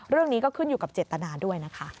เรื่องนี้ก็ขึ้นอยู่กับเจตนาด้วยนะคะ